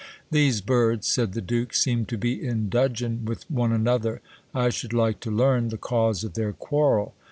These birds, said the duke, seem to be in dudgeon with one another. I should like to learn the cause of their quarrel.